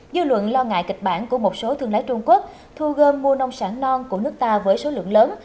dư luận lo ngại kịch bản của một số thương lái trung quốc thu gom mua nông sản non của nước ta với số lượng lớn